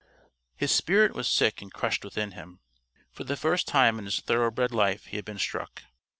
His spirit was sick and crushed within him. For the first time in his thoroughbred life he had been struck.